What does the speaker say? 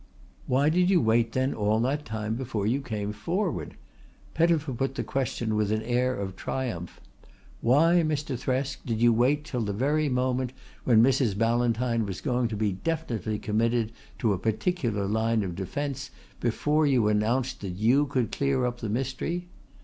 "Why did you wait then all that time before you came forward?" Pettifer put the question with an air of triumph. "Why, Mr. Thresk, did you wait till the very moment when Mrs. Ballantyne was going to be definitely committed to a particular line of defence before you announced that you could clear up the mystery?